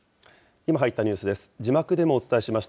今入ったニュースです。